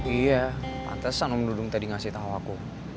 iya pantesan om dudung tadi ngasih tahu aku